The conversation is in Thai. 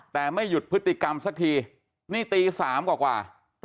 แต่ไม่หยุดพฤติกรรมซักทีนี่ตีสามกว่ากว่าอืม